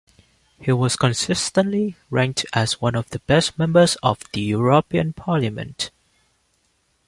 He was consistently ranked as one of the best Members of the European Parliament.